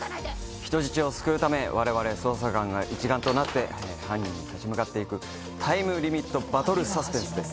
人質を救うため我々捜査官が一丸となって犯人に立ち向かって行くタイムリミットバトルサスペンスです。